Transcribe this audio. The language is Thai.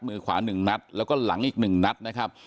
มือขวาหนึ่งนัดแล้วก็หลังอีกหนึ่งนัดนะครับ